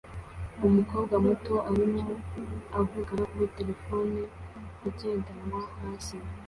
Umukobwa muto arimo avugana kuri terefone igendanwa hasi